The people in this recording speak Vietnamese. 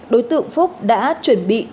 đối tượng phúc đã chuẩn bị